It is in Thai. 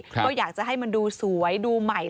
ก็อยากจะให้มันดูสวยดูใหม่